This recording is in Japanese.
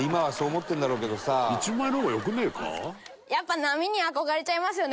やっぱ波に憧れちゃいますよね。